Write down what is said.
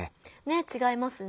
違いますね。